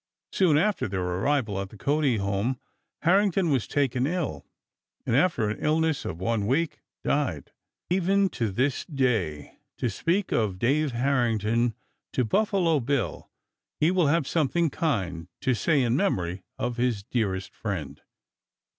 Soon after their arrival at the Cody home Harrington was taken ill, and after an illness of one week died. Even to this day to speak of Dave Harrington to Buffalo Bill, he will have something kind to say in memory of his dearest friend.